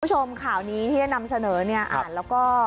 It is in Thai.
คุณผู้ชมข่าวนี้ที่จะนำเสนอเนี่ยอ่านแล้วก็